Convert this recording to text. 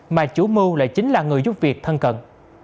mà chủ mưu lại chính là người giúp việc thân cận